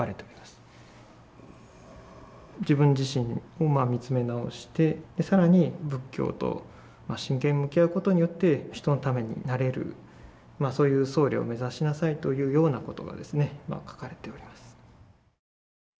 自分自身を見つめ直して更に仏教と真剣に向き合うことによって人のためになれるそういう僧侶を目指しなさいというようなことが書かれております。